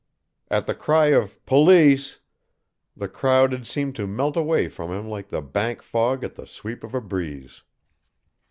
At the cry of "Police!" the crowd had seemed to melt away from him like the bank fog at the sweep of a breeze.